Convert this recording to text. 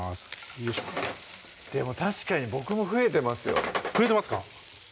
よいしょでも確かに僕も増えてますよ増えてますか？